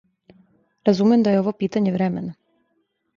Разумем да је ово питање времена.